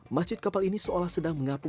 masjid kapal ini seolah sedang mengapung